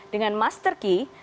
dengan master key